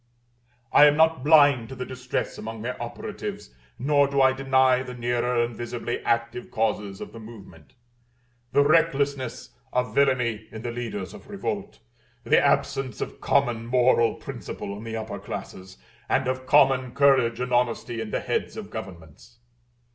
I am not blind to the distress among their operatives; nor do I deny the nearer and visibly active causes of the movement: the recklessness of villany in the leaders of revolt, the absence of common moral principle in the upper classes, and of common courage and honesty in the heads of governments.